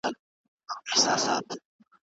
دويم مطلب - داسلامي دولت او حكومت اهميت